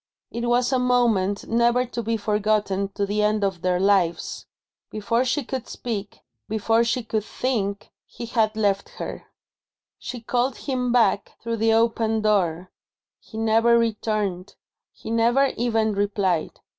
It was a moment, never to be forgotten to the end of their lives. Before she could speak, before she could think, he had left her. She called him back, through the open door. He never returned; he never even replied.